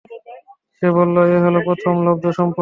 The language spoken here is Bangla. সে বলল, এ হল প্রথম লব্ধ সম্পদ।